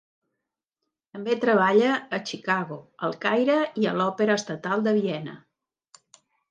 També treballà a Chicago, El Caire i a l'Òpera Estatal de Viena.